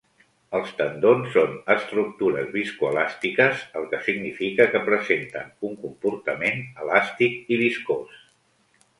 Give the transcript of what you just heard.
Els tendons són estructures viscoelàstiques, el que significa que presenten un comportament elàstic i viscós.